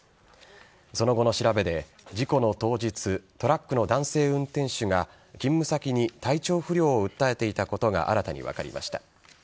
その後の調べで、事故の当日トラックの男性運転手が勤務先に体調不良を訴えていたことが新たに分かりました。